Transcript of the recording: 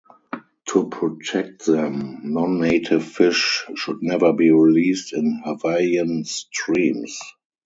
To protect them, non-native fish should never be released in Hawaiian streams.